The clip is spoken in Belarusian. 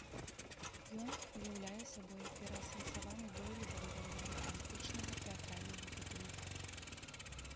Ён уяўляе сабой пераасэнсаваны дойлідам варыянт антычнага тэатральнага будынка.